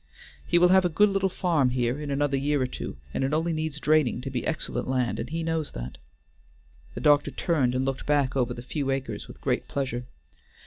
He will have a good little farm here in another year or two, it only needs draining to be excellent land, and he knows that." The doctor turned and looked back over the few acres with great pleasure.